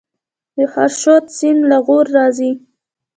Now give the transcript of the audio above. د خاشرود سیند له غور راځي